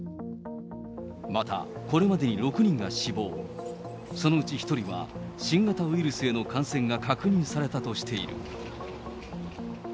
また、これまでに６人が死亡、そのうち１人は新型ウイルスへの感染が確認されたとしている。